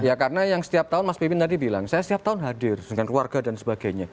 ya karena yang setiap tahun mas pipin tadi bilang saya setiap tahun hadir dengan keluarga dan sebagainya